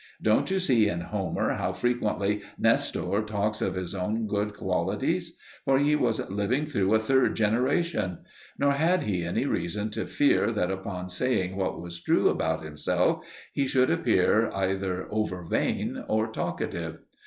Don't you see in Homer how frequently Nestor talks of his own good qualities? For he was living through a third generation; nor had he any reason to fear that upon saying what was true about himself he should appear either over vain or talkative.